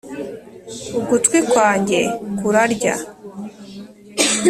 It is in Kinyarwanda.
ugutwi kwanjye kurarya.